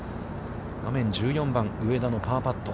画面、１４番、上田のパーパット。